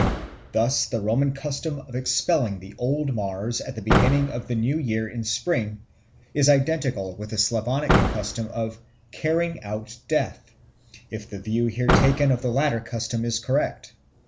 Thus the Roman custom of expelling the old Mars at the beginning of the new year in spring is identical with the Slavonic custom of "carrying out Death," if the view here taken of the latter custom is correct.